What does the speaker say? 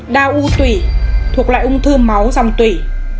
ba đau u tủy thuộc lại ung thư máu dòng tủy